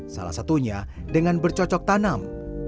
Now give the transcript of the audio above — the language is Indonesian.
salah satunya dengan bercocok tanam